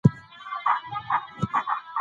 که ماشومان لوبې نه وکړي، دوی فشار احساسوي.